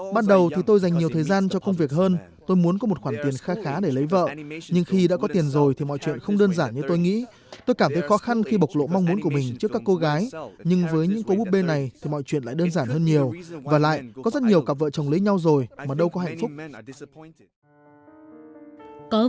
ban đầu thì tôi dành nhiều thời gian cho công việc hơn tôi muốn có một khoản tiền khá khá để lấy vợ nhưng khi đã có tiền rồi thì mọi chuyện không đơn giản như tôi nghĩ tôi cảm thấy khó khăn khi bộc lộ mong muốn của mình trước các cô gái nhưng với những cô búp bê này thì mọi chuyện lại đơn giản hơn nhiều và lại có rất nhiều cặp vợ chồng lấy nhau rồi mà đâu có hạnh phúc